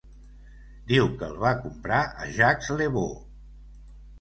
Diu que el va comprar a Jacques Le Beau.